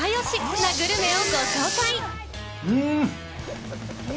なグルメをご紹介！